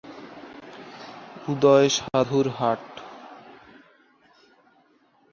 উদয়-সাধুর হাট।